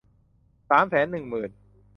สามแสนหนึ่งหมื่น